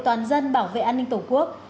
toàn dân bảo vệ an ninh tổ quốc